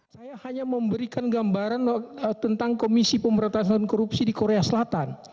saya hanya memberikan gambaran tentang komisi pemberantasan korupsi di korea selatan